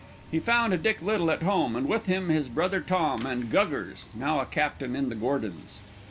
He found Dick Little at home and with him his brother Tom, and "Guggers," now a captain in the Gordons.